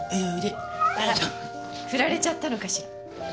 あら振られちゃったのかしら？